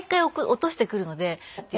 落としてくるの？